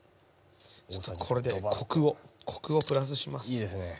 これでコクをプラスします。